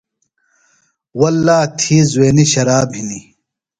واللّٰہ تھی زوینیۡ شراب ہِنیۡ۔